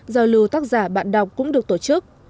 giao lưu tác giả bạn đọc cũng được tổ chức